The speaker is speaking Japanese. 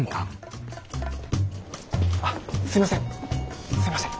あっすいませんすいません。